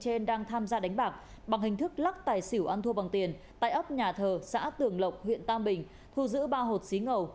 trên đang tham gia đánh bạc bằng hình thức lắc tài xỉu ăn thua bằng tiền tại ấp nhà thờ xã tường lộc huyện tam bình thu giữ ba hột xí ngầu